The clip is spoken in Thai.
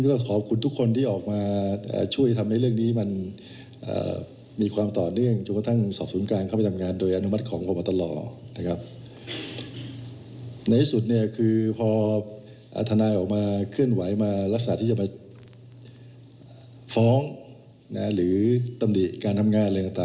หรือตำแหน่ตามเด็กการทำงานอะไรต่าง